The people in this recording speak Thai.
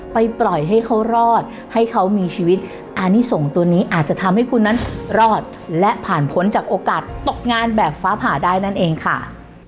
ปล่อยให้เขารอดให้เขามีชีวิตอันนี้ส่งตัวนี้อาจจะทำให้คุณนั้นรอดและผ่านพ้นจากโอกาสตกงานแบบฟ้าผ่าได้นั่นเองค่ะ